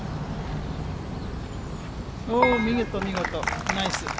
おー、見事、見事、ナイス。